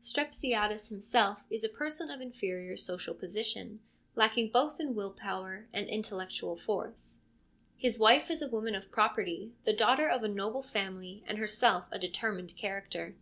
Strep siades himself is a person of inferior social position, lacking both in will power and intellectual force ; his wife is a woman of property, the daughter of a noble family and herself of determined character.